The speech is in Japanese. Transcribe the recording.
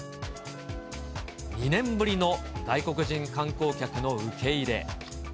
２年ぶりの外国人観光客の受け入れ。